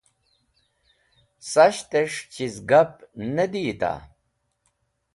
Sashtẽs̃h chiz gap ne diyita?